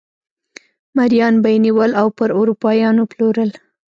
مریان به یې نیول او پر اروپایانو پلورل.